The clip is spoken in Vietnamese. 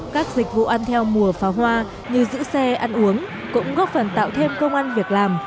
các dịch vụ ăn theo mùa pháo hoa như giữ xe ăn uống cũng góp phần tạo thêm công an việc làm